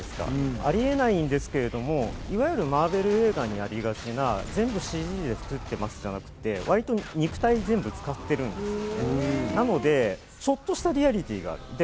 ありえないんですけれども、いわゆるマーベル映画にありがちな、全部ＣＧで作っていますじゃなくて、割と肉体を使ってるんですね。